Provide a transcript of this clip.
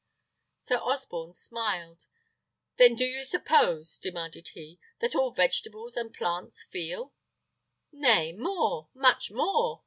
Sir Osborne smiled. "Then do you suppose," demanded he, "that all vegetables and plants feel?" "Nay, more, much more!"